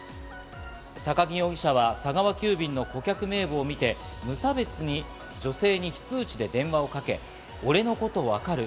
都木容疑者は佐川急便の顧客名簿を見て無差別に女性に非通知で電話をかけ、俺のことわかる？